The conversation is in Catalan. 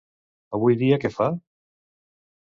Avui dia què fa?